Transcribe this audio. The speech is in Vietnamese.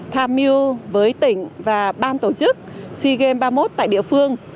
tham miu với tỉnh và ban tổ chức sigem ba mươi một tại địa phương